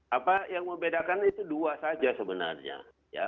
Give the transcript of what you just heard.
apa yang membedakan itu dua saja sebenarnya